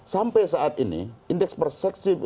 sampai saat ini indeks persepsi